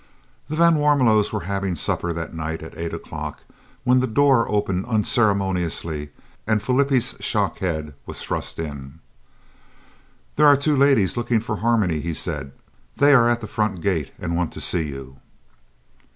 The van Warmelos were having supper that night at 8 o'clock when the door opened unceremoniously and Flippie's shock head was thrust in. "There are two ladies looking for Harmony," he said. "They are at the front gate and want to see you."